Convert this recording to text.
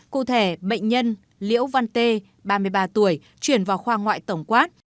cụ thể bệnh nhân liễu văn tê ba mươi ba tuổi chuyển vào khoa ngoại tổng quát